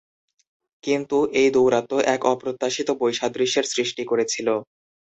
কিন্তু, এই দৌরাত্ম্য এক অপ্রত্যাশিত বৈসাদৃশ্যের সৃষ্টি করেছিল।